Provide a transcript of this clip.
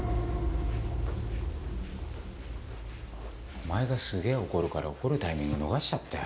お前がすげぇ怒るから怒るタイミング逃しちゃったよ。